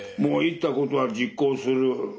言ったことは実行する。